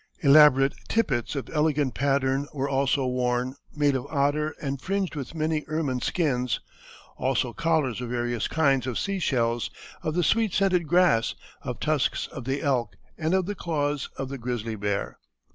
Elaborate tippets of elegant pattern were also worn, made of otter and fringed with many ermine skins; also collars of various kinds of sea shells, of the sweet scented grass, of tusks of the elk, and of the claws of the grizzly bear.